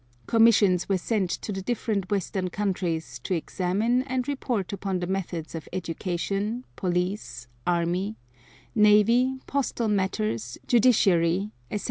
Commissions were sent to the different Western countries to examine and report upon the methods of education, police, army, navy, postal matters, judiciary, etc.